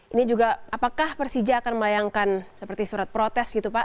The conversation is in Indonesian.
ini juga apakah persija akan melayangkan seperti surat protes gitu pak